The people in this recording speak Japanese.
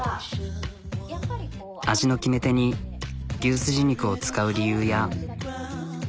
味の決め手に牛すじ肉を使う理由や。